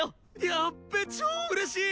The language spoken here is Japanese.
やっべえ超うれしい！